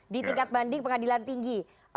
di tingkat banding pengadilan tinggi